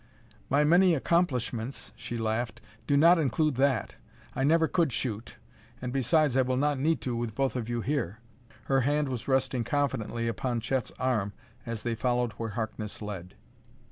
"My many accomplishments," she laughed, "do not include that. I never could shoot and besides I will not need to with both of you here." Her hand was resting confidently upon Chet's arm as they followed where Harkness led.